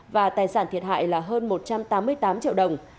và tài sản thiệt hại là hơn một trăm tám mươi tám triệu đồng